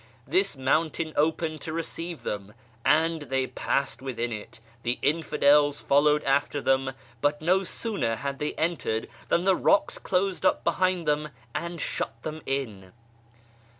The mountain opened to receive them, and they passed within it ; the infidels followed after them, but no sooner had they entered than the rocks closed up behind them, and shut them in.